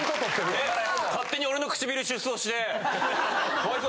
勝手に俺の唇出走して可哀想。